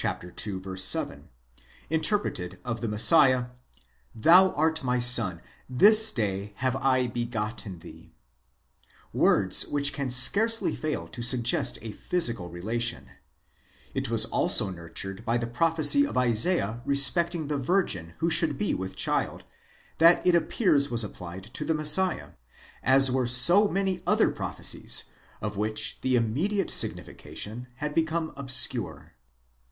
7), interpreted of the Messiah: Zhou art my Son; this day have 7 begotten thee ; words which can scarcely fail to suggest a physical relation ; it was also nurtured by the prophecy of Isaiah respecting the virgin who should be with child, which it appears was applied to the Messiah ; as were so many other prophecies of which the immediate significa tion had become obscure.